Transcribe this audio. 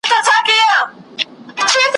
د تور سره او زرغون بیرغ کفن به راته جوړ کې `